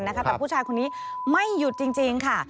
แต่ผู้ชายคนนี้ไม่หยุดจริงค่ะ